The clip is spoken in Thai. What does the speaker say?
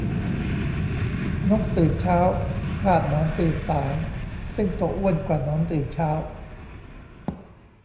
นกตื่นเช้า พลาดหนอนตื่นสาย ซึ่งตัวอ้วนกว่าหนอนตื่นเช้า